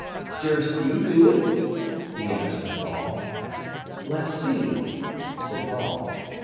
"Durst you do it?" he asked of Paul. "Let's see," said Paul.